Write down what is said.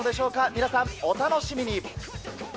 皆さん、お楽しみに。